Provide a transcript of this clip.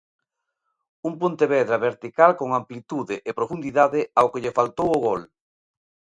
Un Pontevedra vertical con amplitude e profundidade ao que lle faltou o gol.